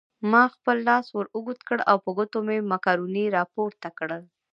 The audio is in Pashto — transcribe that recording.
ما خپل لاس ور اوږد کړ او په ګوتو مې مکروني راپورته کړل.